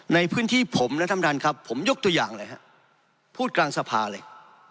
ในพื้นที่ผมนะท่านประธานครับผมยกตัวอย่างเลยฮะพูดกลางสภาเลย